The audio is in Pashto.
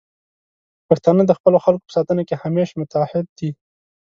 پښتانه د خپلو خلکو په ساتنه کې همیشه متعهد دي.